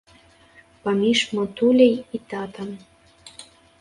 Паміж матуляй і татам.